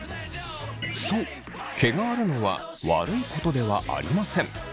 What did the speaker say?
そう毛があるのは悪いことではありません。